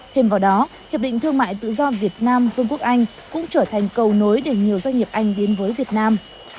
thêm vào đó hiệp định thương mại tự do việt nam vương quốc anh cũng trở thành cầu nối để nhiều doanh nghiệp anh đến với việt nam